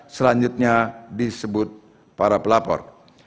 selanjutnya disebut para pelapor